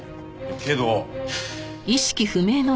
けど。